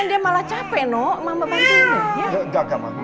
gak mungkin aku kalau begini terus terganggu sama mama